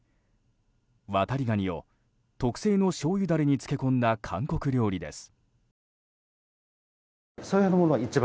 ワタリガニを特製のしょうゆダレに漬け込んだ韓国料理です。